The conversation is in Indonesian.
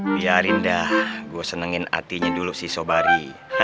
biarin dah gue senengin hatinya dulu si sobari